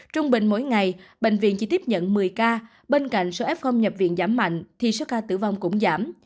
trung bình mỗi ngày bệnh viện chỉ tiếp nhận một mươi ca bên cạnh số f nhập viện giảm mạnh thì số ca tử vong cũng giảm